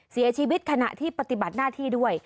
เสียชีวิตขณะที่ปฏิบัติหน้าที่ด้วย